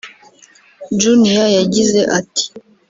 Junior yagize ati